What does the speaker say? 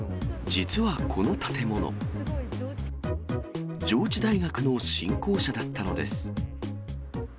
実はこの建物、上智大学の新校舎だったのです。